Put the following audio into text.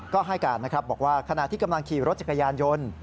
ก็ให้การนะครับบอกว่าขณะที่กำลังขี่รถจักรยานยนต์